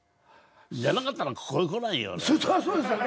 じゃなかったらここに来ないよ。